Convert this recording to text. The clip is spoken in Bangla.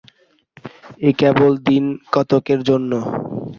এ কেবল দিন-কতকের জন্য।